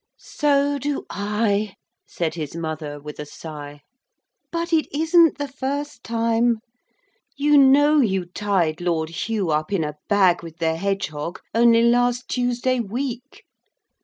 'So do I,' said his mother, with a sigh; 'but it isn't the first time; you know you tied Lord Hugh up in a bag with the hedgehog only last Tuesday week.